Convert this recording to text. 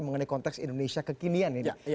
mengenai konteks indonesia kekinian ini